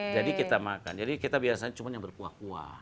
jadi kita makan jadi kita biasanya cuman yang berkuah kuah